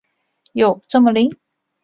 有这么灵？